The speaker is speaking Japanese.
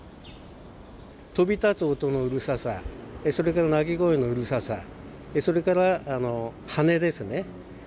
飛び立つ音のうるささ、それから鳴き声のうるささ、それから羽根ですね。